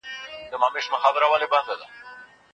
علمي تحقیق بې له ځنډه نه پیلیږي.